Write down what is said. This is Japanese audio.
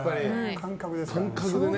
感覚でね。